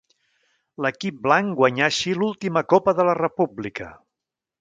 L'equip blanc guanyà així l'última Copa de la República.